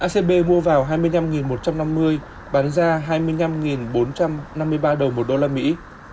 acb mua vào hai mươi năm một trăm năm mươi bán ra hai mươi năm bốn trăm năm mươi ba đồng một đô la mỹ